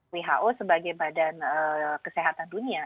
who sebagai badan kesehatan dunia